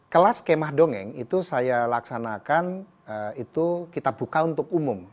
kelas kemah dongeng itu saya laksanakan itu kita buka untuk umum